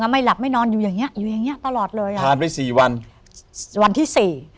ไม่ราบไม่นอนโดยอย่างนี้ตลอดเลยการปิด๔วันวันที่สี่